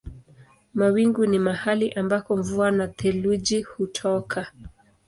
Mawingu ni mahali ambako mvua na theluji hutoka.